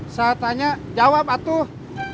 saat tanya jawab atuh